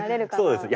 そうです。